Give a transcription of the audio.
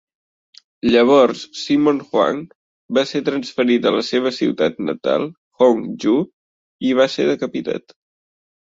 Llavors Simon Hwang va ser transferit a la seva ciutat natal, Hong Ju, i va ser decapitat.